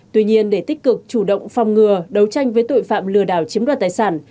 tuy nhiên để tích cực chủ động phòng ngừa đấu tranh với tội phạm lừa đảo chiếm đoạt tài sản